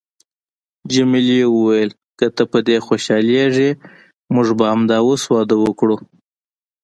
جميلې وويل: که ته په دې خوشحالیږې، موږ به همدا اوس واده وکړو.